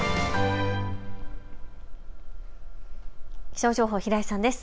気象情報、平井さんです。